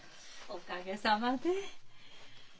おかげさまで。